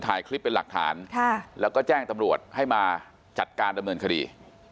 ถ่ายคลิปเป็นหลักฐานแล้วก็แจ้งตำรวจให้มาจัดการดำเนินคดี